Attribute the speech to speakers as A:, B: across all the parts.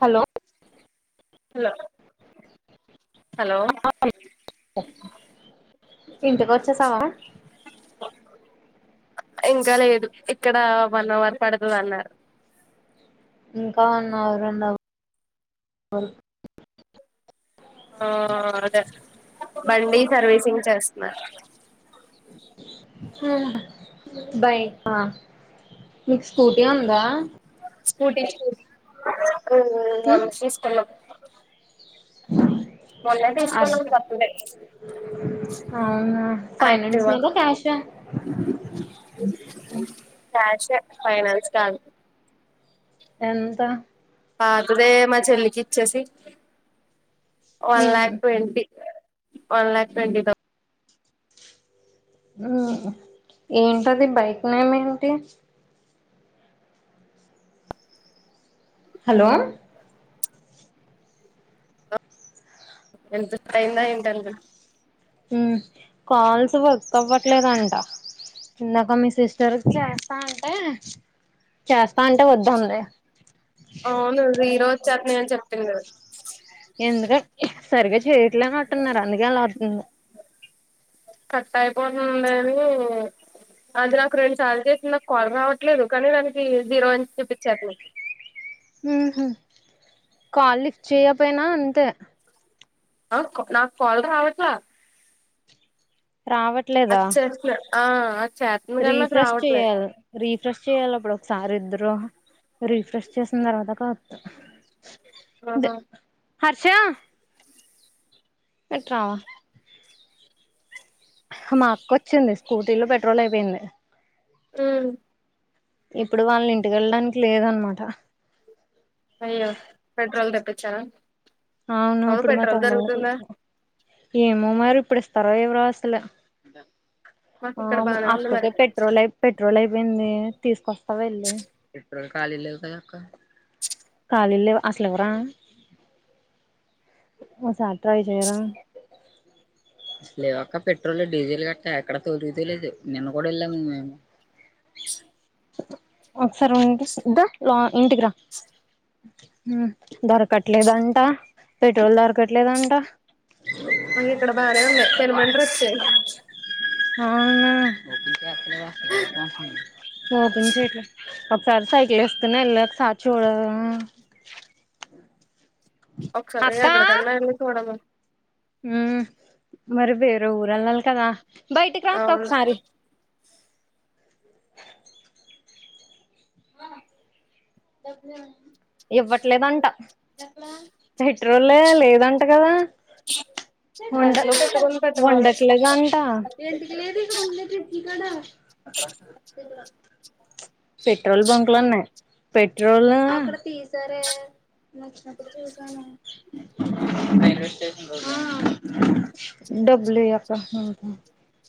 A: Hello
B: hello hello
A: ఇంటికొచ్చేసావా
B: ఇంకా లేదు ఇక్కడ వన్ అవర్ పడుతది అన్నారు.
A: ఇంకా వన్ అవర్ ఉన్న వరకు
B: ఆ అదే బండి సర్వీసింగ్ చేస్తున్నారు.
A: మ్మ్ బైక్ ఆ మీక్ స్కూటీ ఉందా
B: స్కూటీ చూ ఊ మొన్న తీసుకున్నాం మొన్నే తీసుకున్నమ్ ఇంక అప్పుడె
A: అవునా ఫైనాన్స్ మీద క్యాషా
B: క్యాషే ఫైనాన్స్ కాదు
A: ఎంత
B: పాతదే మా చెల్లికి ఇచ్చేసి one lakh twenty one lakh twenty థౌ
A: హ్మ్ హు ఏంటది బైక్ నేమ్ ఏంటి హలో
B: ఎంత టైం [unintelligible]
A: హ్మ్ కాల్స్ వర్క్ అవట్లేదంట ఇందాక మీ సిస్టర్ చేస్తా అంటే చేస్తా అంటే వొద్దన్లే
B: అవును ఈరోజు చేప్నే అని చెప్పింది అది
A: ఎందుక సరిగా చేయట్లేనంటున్నారు అందుకే అలా వొత్తుంది
B: కట్ అయిపోతుందనీ అది నాకు రెండు సార్లు చేసింది నాకు కాల్ రావట్లేదు కానీ దానికి జీరో అని చూపించే [unintelligible] [inaudible]
A: హ్మ్ హు కాల్ లిఫ్ట్ చేయపోయినా అంతే
B: ఆ నాక్ కాల్ రావట్ల
A: రావట్లేదా
B: చేస్తున్నా ఆ చేస్తుంది కానీ నాకు
A: రీఫ్రెష్
B: రావట్లే
A: చేయ్యాలి రీఫ్రెష్ చేయ్యాలి అప్పుడు ఒకసారి ఇద్దరు రీఫ్రెష్ చేసిన తర్వాత [unintelligible]
B: ఆ
A: హర్షా ఇట్రా రావా మా అక్క వొచ్చింది స్కూటీలో పెట్రోల్ అయిపోయింది
B: మ్మ్
A: ఇప్పుడు వాళ్ళు ఇంటికి ఎళ్ళడానికి లేదన్మాట
B: అయ్యో పెట్రోల్ తెపిచ్చారా
A: అవును ఇప్పుడు మా తమ్ముడ్నీ తీసు ఏమో మరి ఇప్పుడు ఇస్తారో ఇవరో అసలు
B: మాకు ఇక్కడ
A: అవును
B: బానే ఉంది మరి
A: అక్కకి పెట్రోల్ పెట్రోల్ అయిపోయింది తీసుకొస్తావా ఎళ్ళి కాలి లెవ్ కదాక్క కాలి ల్లేవ్ అసలు ఇవ్వరా ఓసారి ట్రై చేయ్ రా లేవక్క పెట్రోల్ డీజిల్ గట్ట ఎక్కడ తొలుగితె లేదు నిన్న కూడా వెళ్ళాం మేము
B: [inaudible]
A: ఒకసారి ఉండి దా లో ఇంటికిరా దొరకట్లేదంట పెట్రోల్ దొరకట్లేదంట
B: మకు ఇక్కడ బాగనే ఉన్నాయ్ పెనుమండ్రి వచ్చాయి
A: అవునా ఓపెన్ చేయట్లే ఒకసారి సైకిల్ ఎసుకోని ఎళ్లొస్తా చూడవా
B: ఒకసారి వెళ్ళి అక్కడ [unintelligible]
A: హ్మ్ మరి వేరే ఊరు వెళ్ళాలి కదా బయటికి రా అక్క
B: అవును
A: ఒక్కసారి ఇవ్వట్లేదంట పెట్రోలే లేదంట గదా
B: [inaudible]
A: ఉండ
B: బంట్లో పెట్టుకుని పెట్టుకోవాలి
A: ఉండట్లేదంట పెట్రోల్ బంక్లు ఉన్నాయి పెట్రోలు అక్కడ తీసారే నేను వచ్చినప్పుడు చూసాను ఆ డబ్బలియక్క పోతాను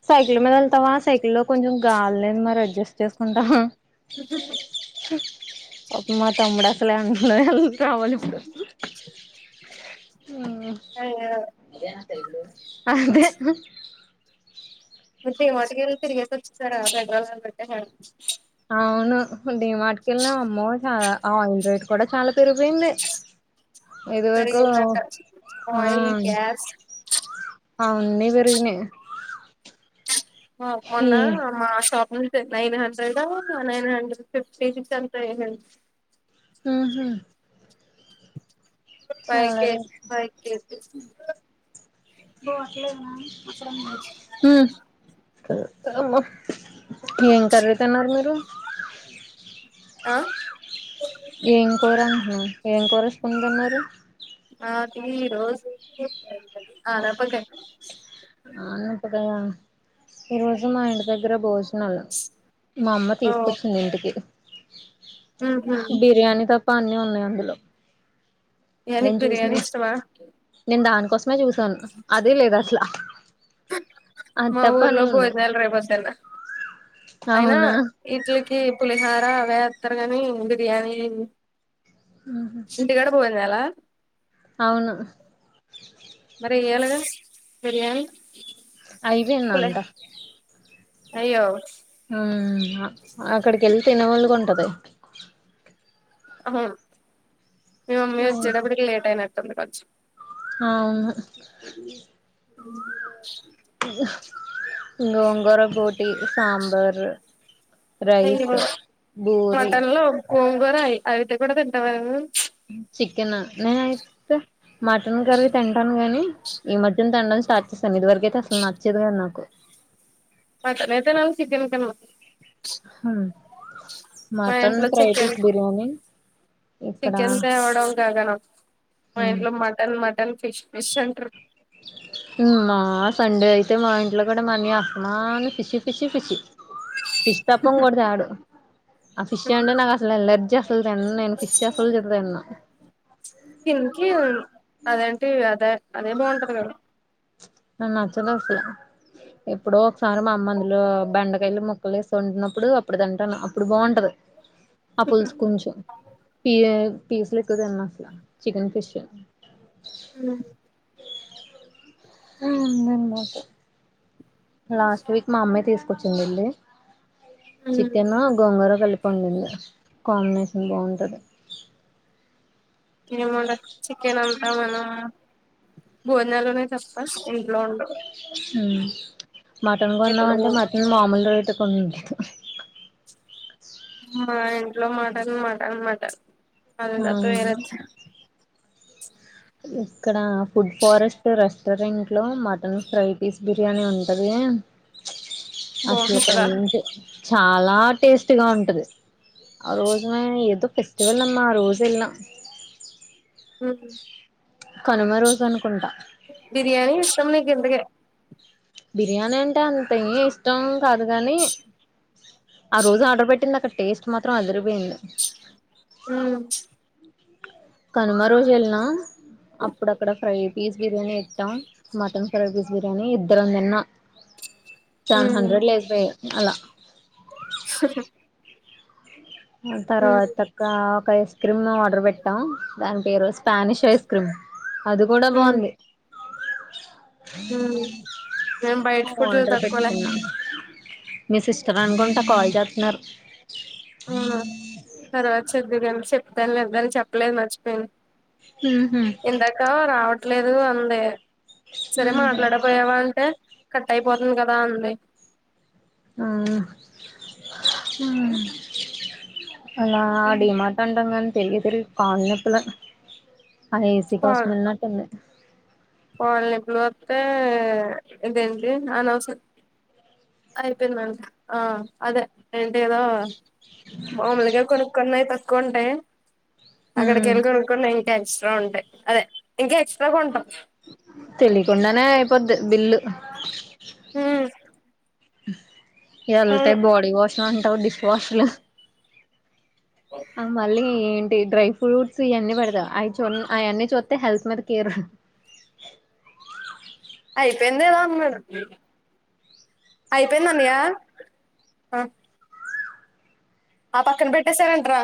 A: సైకిల్ మీద ఎళ్తావా సైకిల్ లో కొంచెం గాలి లేద్ మరి అడ్జస్ట్ చేసుకుంటావా అప్పు మా తమ్ముడా అసలే అ కావాల ఇప్పుడు
B: అయ్యో
A: అదే
B: మీరు డీమర్ట్ వెళ్ళి తిరిగేసి వచ్చేసారా పెడ్రోల్ంటే
A: అవును డిమర్ట్ కెళ్ళం అమ్మో చాలా అవున్ రేట్ కూడా చాలా పెరిగిపోయింది. ఇది వరకు
B: పెరిగిందంట
A: ఆ
B: ఆయిల్ గ్యాస్
A: ఆన్ని పెరగినాయ్
B: మవ్ మొన్న
A: ఈ
B: మాషాప్ అంతే నైన్ హండ్రెడ, నైన్ హండ్రెడ్ ఫిఫ్టీకి ఫ్టీట్ అంత ఏమిలేదు.
A: ఆహా
B: ఫైవ్
A: చారే
B: కేజీ ఫైవ్ కేజీ
A: పోట్లేద అక్కడ ఉన్నాడు ఊ అమ్మ ఏం కర్రీ తిన్నారు మీరు?
B: ఆ
A: ఏం కూర అ ఏం కూర ఏసుకునితిన్నారు?
B: ఆ ఈరోజు ఆనపకాయ పులుసు
A: ఆనప్పకాయ ఈ రోజు మా ఇంటి దగ్గర బోజు నాలు మా అమ్మ
B: ఓ
A: తీసుకొచ్చింది ఇంటికి.
B: ఉహు
A: బిర్యానీ తప్ప అన్నీ ఉన్నాయి అందులో
B: ఎ
A: నేను
B: నీకి బిర్యాణి ఇష్టమా?
A: మె చూసాను అదే లేదు అసల
B: మా ఊర్లో
A: ఉన్నాయి
B: భోజనాలు రె బస్ ఎంద్ర అయినా
A: అవునా
B: ఇట్లికి పులిహార అవే ఎత్తారు కానీ బిర్యానీ ఏ ఇంటికడ భోజనాల
A: అవును
B: బిరియాని
A: అయిపొయింది వంట
B: అయ్యో
A: ఊహ అక్కడికిళ్ళి తినేవోళ్ళకి ఉంటది.
B: ఉహు మీ మమ్మీ వచ్చేటప్పుడికి లేట్ అయినట్టుంది కొంచెం.
A: ఆహా గోంగోర బోటి, సాంబార్ రైస్
B: అయ్యో
A: బూరి
B: మటన్లో గోంగూరఐ అవితే కూడా తింటావా
A: చికెన నేన అయితే మటన్ కర్రీ తింటాను గాని ఈ మధ్యన తినడం ఇ స్టార్ట్ చేశాను ఇది వరకయితే అసలు నచ్చేదే కాదు నాకు
B: మటనే తినాలి చికెన్ తినను
A: హ మటన్
B: ఇంట్లో
A: ఫ్రై
B: చికెన్
A: పీస్ బిర్యానీ ఇక్కడ
B: చికెన్ తేవడం గగనం మా ఇంట్లో మటన్ మ
A: మా సండేయి తే మా ఇంట్లో కూడా మనీ అత్తమాను ఫిషి ఫిషి ఫిషి ఫిష్ తప్ప ఇంకోటి తేడు ఆ ఫిష్ అంటే నాకు అసలు ఎలర్జీ అస్సలు తినను నేను ఫిష్ అసలు తిన్ను నేను
B: తినికి అదేంటి అదే అదే బావుంటాది కదా
A: నాక్ నచ్చనే నచ్చలే ఎప్పుడో ఒకసారి మా అమ్మ అందులో బెండకాయలు ముక్కలు ఎసి వండిన్నప్పుడు అప్పుడు తింటాను అప్పుడు బావుంటది.
B: అ
A: ఆ పులుసు కొంచం తియే పీస్లు ఎక్కువతిన్ను అసల చికెన్ ఫిష్
B: అన్న
A: ఆ ఉంద ఇందాకే లాస్ట్ వీక్ మా అమ్మే తీసుకొచ్చింది వెళ్ళి చికెన్ గోంగూర కలిప్ పండింది కాంబినేషన్ బాగుంటుంది
B: ఏమోలే చికెన్ అం ఆ మనం భోనాలు ఉన్నాయి తప్ప ఇంట్లో ఉండు
A: ఉమ్ మటన్
B: ఇప్పుడు
A: కొందామంటే మటన్ మామూలు రేటు కొందుదు
B: మా ఇంట్లో మటన్ మటన్ మటన్ అందరితో వేరొచ్చు
A: ఇక్కడ ఫుడ్ ఫారెస్ట్ రెస్టా టోరెంట్లో మటన్ ఫైవ్ పీస్ బిర్యానీ ఉంటది అసలు ఒక
B: బాగుంటదా
A: రేంజ్ చాలా టేస్టీ గా ఉంటది ఆరోజున ఏదో ఫెస్టివల్ అమ్మా ఆ రోజు వెళ్లిన
B: ఉమ్
A: కనుమ రోజు అనుకుంటా
B: కిందగే
A: బిర్యానీ అంటే అంత ఏ ఇష్టం కాదు కానీ ఆరోజు ఆర్డర్ పెట్టింది అక్కడ టేస్ట్ మాత్రం అదిరిపోయింది
B: ఉమ్
A: కనుమ రోజు వెళ్ళినా అప్పుడు అక్కడ ఫ్రై పీస్ బిర్యానీ ఎట్టం మటన్ ఫ్రై పీస్ బిర్యానీ ఇద్దరం తిన్న సెవెన్ హండ్రెడ్ లేకపోయాయి ఉ అలా
B: హా హు
A: ఆ తర్వాత ఒక ఒక ఐస్ క్రీమ్ ఆర్డర్ పెట్టాం దాని పేరు వస్ తానిష్ ఐస్ క్రీమ్ అది కూడా
B: ఉమ్
A: బాగుంది
B: ఉమ్ నేను బయట ఫుడ్లు
A: ఆర్డర్
B: తక్కువలే
A: పెట్టుకున్నా మీ సిస్టర్ అనుకుంటా కాల్ చేస్తున్నారు
B: ఉ తర్వాత చెప్పుదువు గాని చెప్తానులే దానికి చెప్పలేదు మర్చిపోయిన
A: ఉహు
B: ఇందాక రావట్లేదు అంది సరే
A: ఉహు
B: మాట్లాడపోయావా అంటే కట్ అయిపోతుంది కదా అంది
A: ఆ అలా డిమార్ట్ అంటాం కానీ తిరిగి తిరిగి కాల్ నొప్పులే ఆ ఎస్సీ కోసం వెళ్ళినట్టుంది
B: ఒళ్ళు నొప్పులు పత్తే ఇదేంటి అనవసర అయిపోయిందంట ఆ అదే ఏంటి కదా మాములుగా కొనుక్కున్నాయి తక్కువ ఉంటాయి
A: ఉ
B: అక్కడికి వెళ్ళి కొనుక్కున్నాయి ఎక్స్ట్రా ఉంటాయి అదే ఎంకా ఎక్స్ట్రా కొంటా
A: తెలియకుండానే అయిపోద్ది బిల్లు
B: ఉ
A: వెళ్తే బాడీ వాష్లు అంటావు డిష్ వాష్లు ఆ మళ్ళీ ఏంటి డ్రై ఫ్రూట్స్ ఇవన్నీ పడతా అవి చున్ ఆయన్ని చూస్తే హెల్త్ మీద కేర్
B: అయిపోయిందేమో మీరు అయిపోయింది అన్నయ్య ఆ ఆ పక్కన పెట్టేసారేంటిరా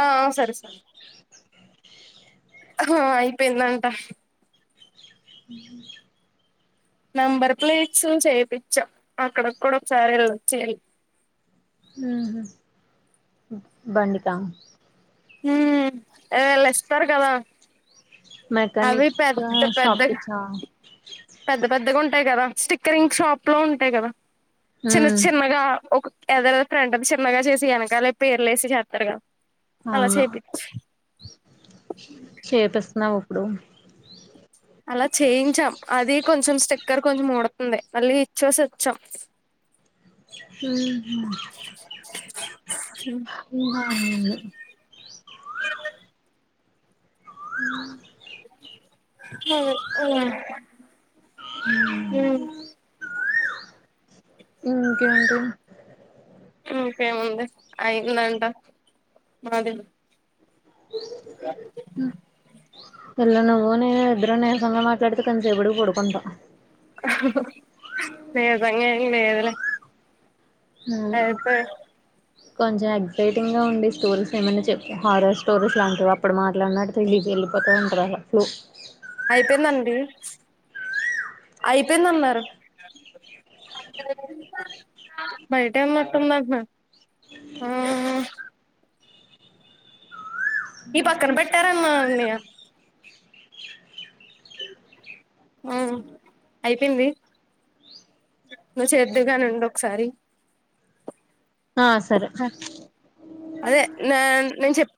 B: ఆ అవు సరే సరే ఆ హా అయిపోయిందంట
A: ఉ హు
B: నంబర్ ప్లేట్స్ చేపించాం అక్కడ కూడా ఒకసారి వెళ్లొచ్చేయాలి
A: ఉహు బండికా
B: ఉ ఎ వెళ్ళొస్తారు కదా అవి
A: మెకానిక్
B: పెద్ద
A: షాప్
B: పెద్ద
A: కి ఇచ్చావా
B: పెద్ద పెద్దగా ఉం టాయి కదా స్టిక్కరింగ్ షాప్ లో ఉంటాయి కదా చిన్న చిన్నగా ఒక ఎదరు ఫ్రెంటది చిన్నగా చేసి వెనకాలే పేర్లు వేసి చేస్తారుగా
A: అవును చేపిస్తున్నావా ఇప్పుడు
B: అలా చేయించాం అది కొంచెం స్టిక్కర్ కొంచెం ఊడోతుంది మళ్ళీ ఇచ్చేసి వచ్చాం
A: ఉ హ ఊహ అనింది
B: [unintelligible] ఉ
A: ఇంకేంటి
B: ఇంకేముంది అయిందంట మాది
A: ఇళ్లా నువ్వు నేను ఇద్దరు నీరసంగా మాట్లాడితే కొంతసేపుడికి పడుకుంటాం.
B: నిజంగానే లేదులే అయిపోయారు
A: కొంచెం ఎక్సైటింగ్ గా ఉండే స్టోరీస్ ఏమైనా చెప్పు హారర్ స్టోరీస్ లాంటివి అప్పుడు మాట్లాడినా తెలిదు. వెళ్ళిపోత ఉంటారా ఫ్లూ
B: అయిపోయిందండి అయిపోయిందన్నారు బయటే ఉన్నట్లు ఉందబ్బా ఆ ఈ పక్కన పెట్టారన్న అన్నయ ఉ అయిపోయింది నువ్ చేద్దువుగాని వుండు ఒకసారి
A: ఆ సరే
B: అదే నేన్ నేను చెప్